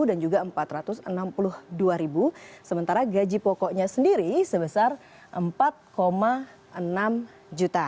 dan juga rp empat ratus enam puluh dua ribu sementara gaji pokoknya sendiri sebesar rp empat enam juta